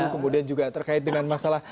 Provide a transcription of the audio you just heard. kemudian juga terkait dengan masalah